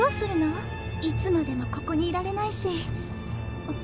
いつまでもここにいられないし。